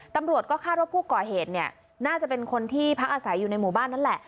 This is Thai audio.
ตำรวจก็คาดว่าผู้ก่อเหตุเนี่ยน่าจะเป็นคนที่พักอาศัยอยู่ในหมู่บ้านนั่นแหละ